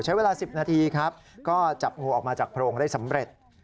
ใช้เวลา๑๐นาทีครับก็จับงูออกมาจากโพรงได้สำเร็จ